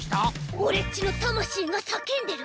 オレっちのたましいがさけんでる！